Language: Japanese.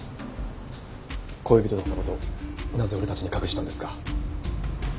恋人だった事をなぜ俺たちに隠したんですか？